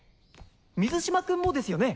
水嶋君もですよね。